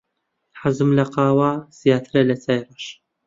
حەزم لە قاوە زیاترە لە چای ڕەش.